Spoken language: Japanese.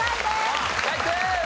ナイス！